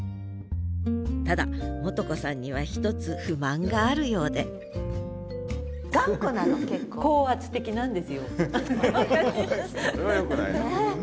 ただ元子さんには１つ不満があるようでそれはよくないな。